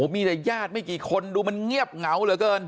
มีแต่ญาติไม่กี่คนดูมันเงียบเหงาเหลือเกิน